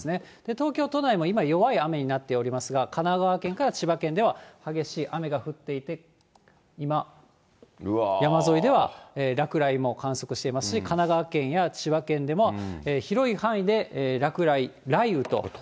東京都内も今、弱い雨になっておりますが、神奈川県から千葉県では激しい雨が降っていて、今、山沿いでは落雷も観測していますし、神奈川県や千葉県でも、広い範囲で落雷、雷雨となっています。